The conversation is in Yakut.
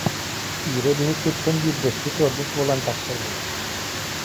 Ира биһиккиттэн биирдэспит уорбут буолан тахсар буолбут